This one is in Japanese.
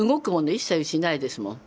一切うちにないですもん。